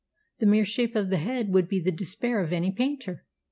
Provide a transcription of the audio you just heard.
The mere shape of the head would be the despair of any painter.